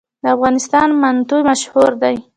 د افغانستان منتو مشهور دي